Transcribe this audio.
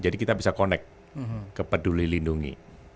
jadi kita bisa konek kepeduli lindungi